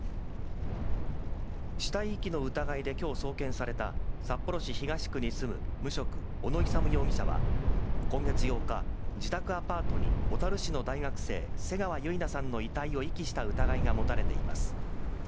死体遺棄の疑いで今日送検された札幌市東区に住む無職・小野勇容疑者は今月８日、自宅アパートに小樽市の大学生・瀬川結菜さんの遺体を遺棄した疑いが持たれています。